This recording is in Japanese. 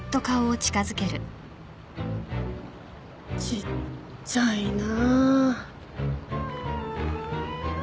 ちっちゃいな。